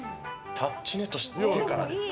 タッチネットしてからですか。